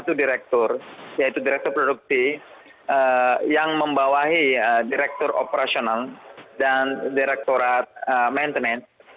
satu direktur yaitu direktur produkti yang membawahi direktur operasional dan direkturat maintenance